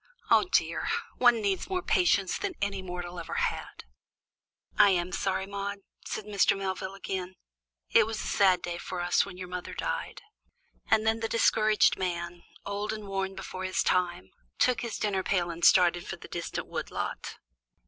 Oh, dear! one needs more patience than any mortal ever had!" "I am sorry, Maude," said Mr. Melvin, again. "It was a sad day for us all when your mother died." And then the discouraged man, old and worn before his time, took his dinner pail and started for the distant wood lot.